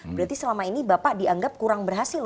berarti selama ini bapak dianggap kurang berhasil